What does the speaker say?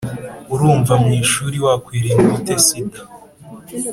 urumva mu ishuri wakwirinda ute sida